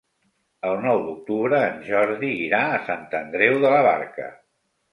El nou d'octubre en Jordi irà a Sant Andreu de la Barca.